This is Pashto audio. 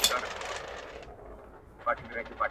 مئینانو ته په بدو سترګو كتل